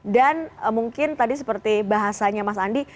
dan mungkin tadi seperti bahasanya mas andi